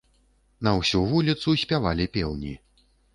На ўсю вуліцу спявалі пеўні.